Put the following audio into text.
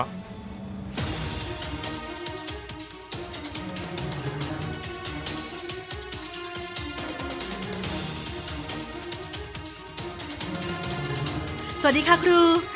สวัสดีค่ะครู